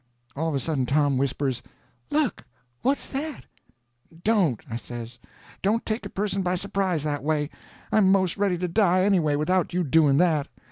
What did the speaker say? All of a sudden Tom whispers: "Look!—what's that?" "Don't!" I says. "Don't take a person by surprise that way. I'm 'most ready to die, anyway, without you doing that."